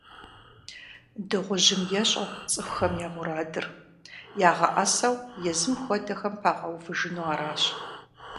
Дыгъужьым ещӀэ цӀыхухэм я мурадыр - ягъэӀэсэу езым хуэдэхэм пагъэувыжыну аращ.